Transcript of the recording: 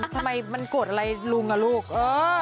ทำไมมันโกรธอะไรลุงอ่ะลูกเออ